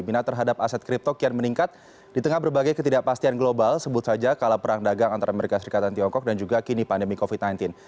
minat terhadap aset kripto kian meningkat di tengah berbagai ketidakpastian global sebut saja kalah perang dagang antara amerika serikat dan tiongkok dan juga kini pandemi covid sembilan belas